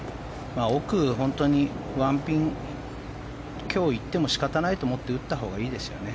奥、本当に１ピン強行っても仕方ないと思って打ったほうがいいですよね。